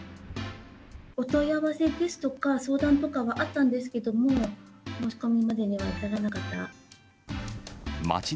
お問い合わせですとか、相談とかはあったんですけども、申し込みまでには至らなかった。